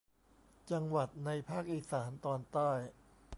จังหวัดในภาคอีสานตอนใต้